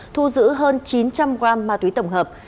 thu giữ hơn chín trăm linh g ma túy tổng hợp